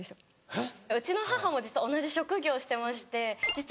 えっ！